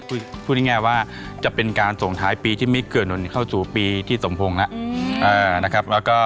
พูดง่ายง่ายว่าจะเป็นการส่งท้ายปีที่ไม่เกือบหนุนเข้าสู่ปีที่สมพงษ์แล้ว